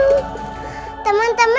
kita masih banyak gitu